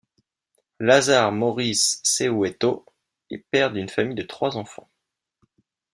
Lazare Maurice Sehoueto est père d'une famille de trois enfants.